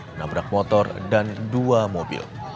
menabrak motor dan dua mobil